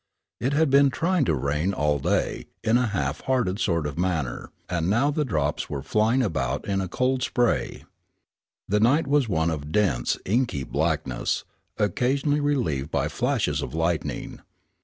It had been "trying to rain" all day in a half hearted sort of manner, and now the drops were flying about in a cold spray. The night was one of dense, inky blackness, occasionally relieved by flashes of lightning.